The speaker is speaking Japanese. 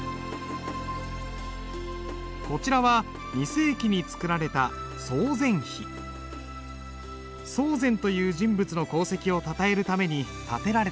こちらは２世紀に作られた曹全という人物の功績をたたえるために建てられた碑だ。